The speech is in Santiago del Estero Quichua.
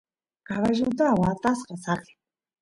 caballuta watasqa saqen